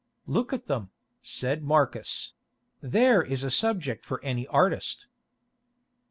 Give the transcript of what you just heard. "Look at them," said Marcus; "there is a subject for any artist."